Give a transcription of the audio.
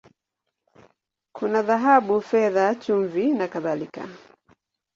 Kuna dhahabu, fedha, chumvi, na kadhalika.